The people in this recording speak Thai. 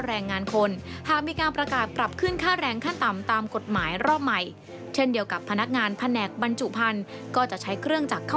ทันทีที่รัฐบาลประกาศขึ้นค่าแรงแรงงานขั้นต่ำนะคะ